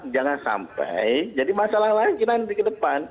jangan sampai jadi masalah lagi kita nanti ke depan